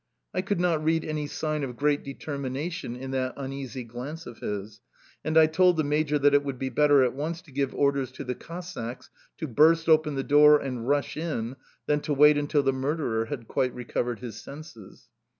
I could not read any sign of great determination in that uneasy glance of his, and I told the major that it would be better at once to give orders to the Cossacks to burst open the door and rush in, than to wait until the murderer had quite recovered his senses.